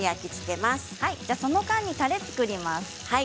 その間に、たれを作ります。